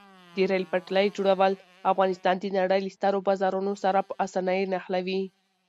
د ریل پټلۍ جوړول افغانستان د نړۍ له سترو بازارونو سره په اسانۍ نښلوي.